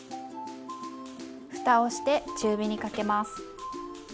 ふたをして中火にかけます。